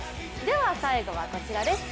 最後はこちらです。